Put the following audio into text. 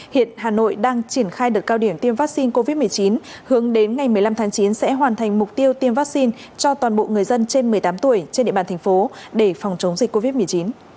hiện hà nội đang triển khai được cao điểm tiêm vaccine covid một mươi chín hướng đến ngày một mươi năm tháng chín sẽ hoàn thành mục tiêu tiêm vaccine cho toàn bộ người dân trên một mươi tám tuổi trên địa bàn thành phố để phòng chống dịch covid một mươi chín